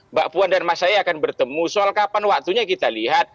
mbak puan dan mas saya akan bertemu soal kapan waktunya kita lihat